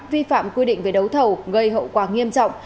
vi phạm quy định về đấu thầu gây hậu quả nghiêm trọng